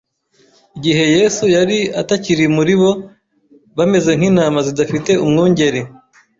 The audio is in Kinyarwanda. Igihe Yesu yari atakiri muri bo bameze nk'intama zidafite umwungeri